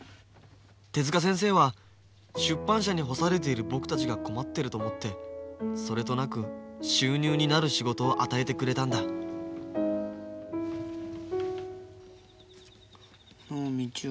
手先生は出版社に干されている僕たちが困っていると思ってそれとなく収入になる仕事を与えてくれたんだのう道雄。